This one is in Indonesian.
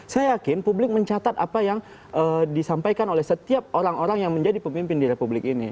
saya yakin publik mencatat apa yang disampaikan oleh setiap orang orang yang menjadi pemimpin di republik ini